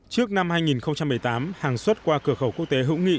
trước năm hai nghìn một mươi tám hàng xuất qua cửa khẩu quốc tế hữu nghị